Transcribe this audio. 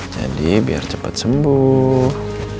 jadi biar cepet sembuh